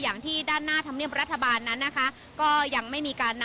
ซึ่งกฎหมายออกประกาศมานำอีกอย่าง